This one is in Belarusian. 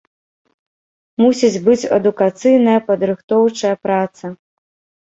Мусіць быць адукацыйная, падрыхтоўчая праца.